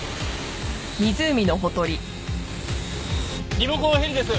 リモコンヘリです。